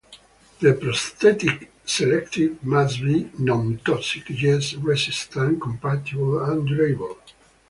The prosthetic selected must be nontoxic yet resistant, compatible and durable.